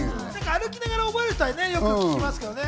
歩きながら覚える人はよく聞きますよね。